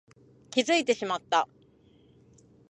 気づいてしまった